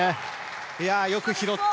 よく拾って。